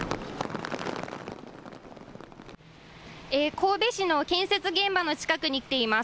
神戸市の建設現場の近くに来ています。